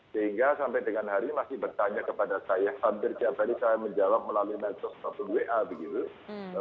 sehingga sampai dengan hari ini masih bertanya kepada saya hampir tiap hari saya menjawab melalui medsos maupun wa begitu